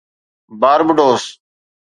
Barbados